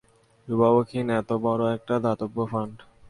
অভিভাবকহীন এতো বড় একটা দাতব্য ফান্ড।